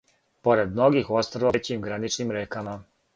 Поред многих острва у већим граничним рекама